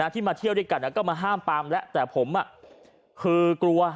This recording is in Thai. ที่มาเที่ยวด้วยกันก็มาห้ามปามแล้วแต่ผมคือกลัว